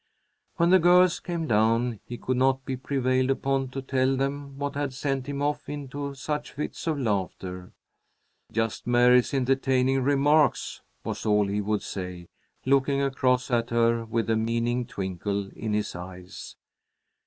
When the girls came down, he could not be prevailed upon to tell them what had sent him off into such fits of laughter. "Just Mary's entertaining remarks," was all he would say, looking across at her with a meaning twinkle in his eyes.